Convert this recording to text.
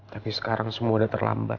tapi sekarang semua udah terlambat